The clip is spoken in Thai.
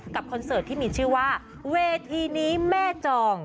คอนเสิร์ตที่มีชื่อว่าเวทีนี้แม่จอง